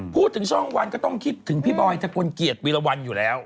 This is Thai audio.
พูดถึงช่องวันก็ต้องคิดถึงพี่บอยทะกลเกียจวีรวรรณอยู่แล้ว